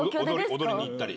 踊りにいったり。